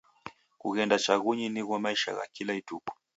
Kughenda chaghunyi nigho maisha gha kila ituku.